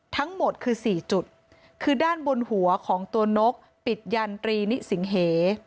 ทั้งหมดคือสี่จุดคือด้านบนหัวของตัวนกปิดยันตรีนิสิงเห